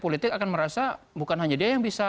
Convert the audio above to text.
politik akan merasa bukan hanya dia